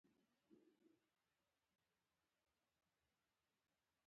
یعنې لاسونه، پښې، غوږونه او سترګې یې پانګه ده.